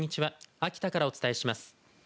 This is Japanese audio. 秋田からお伝えします。